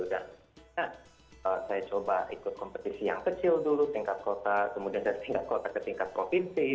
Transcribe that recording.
saya coba ikut kompetisi yang kecil dulu tingkat kota kemudian dari tingkat kota ke tingkat provinsi